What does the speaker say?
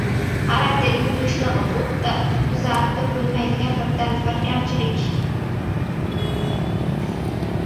Xarakterning bo‘shligi, bu tuzatib bo‘lmaydigan birdan-bir kamchilikdir.